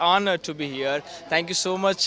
dan ini adalah kehormatan untuk berada di sini